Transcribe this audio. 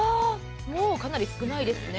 もうかなり少ないですね。